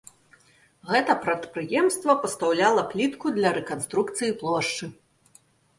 Гэта прадпрыемства пастаўляла плітку для рэканструкцыі плошчы.